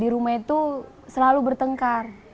di rumah itu selalu bertengkar